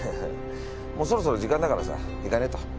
もうそろそろ時間だからさ行かねえと。